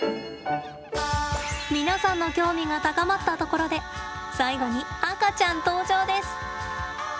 皆さんの興味が高まったところで最後に赤ちゃん登場です。